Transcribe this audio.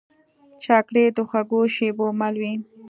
چاکلېټ د خوږو شېبو مل وي.